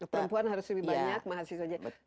perempuan harus lebih banyak mahasiswanya